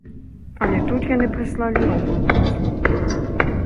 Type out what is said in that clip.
Але тут яны прыслалі новую позву.